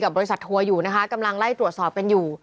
บริษัททัวร์อยู่นะคะกำลังไล่ตรวจสอบกันอยู่